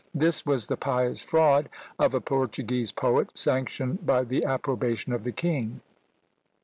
This was the pious fraud of a Portuguese poet, sanctioned by the approbation of the king.